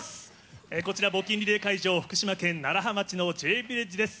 こちら、募金リレー会場、福島県楢葉町のＪヴィレッジです。